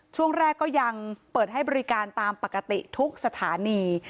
ช่วงแรกก็ยังเปิดให้บริการตามปกติทุกสถานี